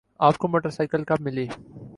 آپ کو motorcycle کب ملی؟